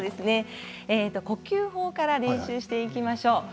呼吸法から練習していきましょう。